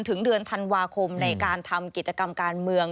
ถึงเดือนธันวาคมในการทำกิจกรรมการเมือง